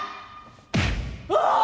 「ああ！」。